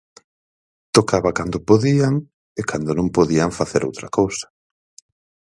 Tocaba cando podían e cando non podían facer outra cousa.